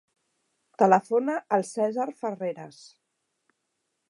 Telefona al Cèsar Ferreres.